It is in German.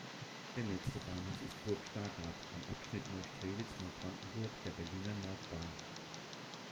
Der nächste Bahnhof ist "Burg Stargard" am Abschnitt Neustrelitz–Neubrandenburg der Berliner Nordbahn.